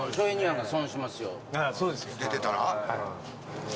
出てたら？